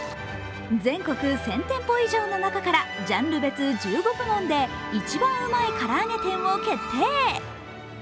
全国１０００店舗以上の中からジャンル別１５部門で一番うまいからあげ店を決定。